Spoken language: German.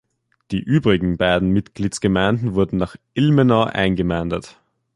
Die übrigen beiden Mitgliedsgemeinden wurden nach Ilmenau eingemeindet.